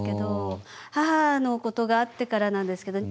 母のことがあってからなんですけど